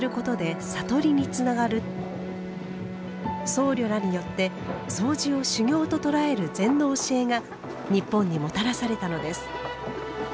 僧侶らによって「そうじを修行」と捉える禅の教えが日本にもたらされたのです。